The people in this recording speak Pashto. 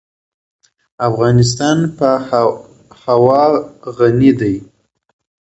افغانستان په هوا غني دی.